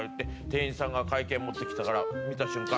店員さんが会計を持ってきたから見た瞬間